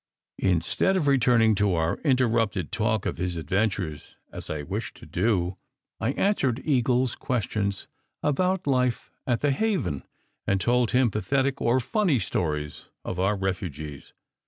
Instead of returning to our interrupted talk of his adventures as I wished to do, I answered Eagle s questions about life at "The Haven," and told him pathetic or funny stories of our refugees.